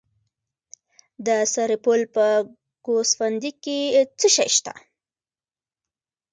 د سرپل په ګوسفندي کې څه شی شته؟